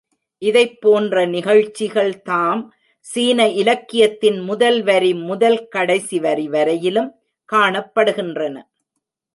இதைப் போன்ற நிகழ்ச்சிகள் தாம் சீன இலக்கியத்தின் முதல் வரி முதல் கடைசி வரி வரையிலும் காணப்படுகின்றன.